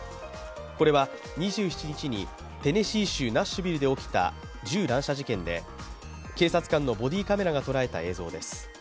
これは２７日にテネシー州ナッシュビルで起きた銃乱射事件で警察官のボディーカメラが捉えた映像です。